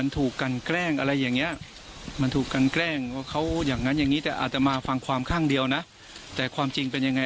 ทำมาฟังความข้างเดียวนะแต่ความจริงเป็นยังไง